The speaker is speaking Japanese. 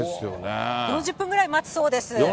４０分ぐらい待つそうです。